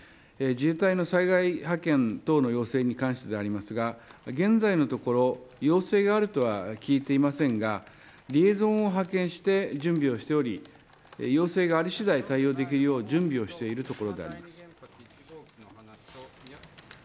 自衛隊の災害派遣等の要請に関してでありますが現在のところ要請があるとは聞いていませんがリエゾンを派遣して準備をしており要請がありしだい対応できるよう準備をしています。